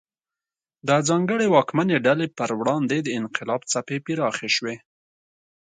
د ځانګړې واکمنې ډلې پر وړاندې د انقلاب څپې پراخې شوې.